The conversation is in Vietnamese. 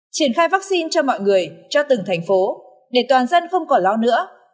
triển khai vắc xin cho mọi người cho từng thành phố để toàn dân không có lo nữa